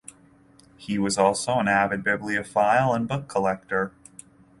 He was also an avid bibliophile and book collector.